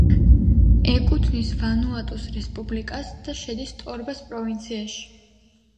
ეკუთვნის ვანუატუს რესპუბლიკას და შედის ტორბას პროვინციაში.